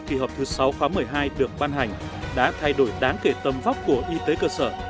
kỳ họp thứ sáu khóa một mươi hai được ban hành đã thay đổi đáng kể tầm vóc của y tế cơ sở